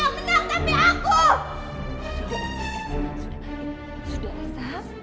bukan kamu yang menang tapi aku